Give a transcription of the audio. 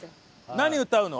何歌うの？